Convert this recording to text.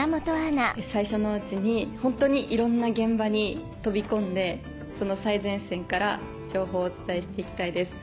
最初のうちにホントにいろんな現場に飛び込んでその最前線から情報をお伝えしていきたいです。